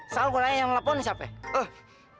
salah gue tanya yang nelfon siapa ya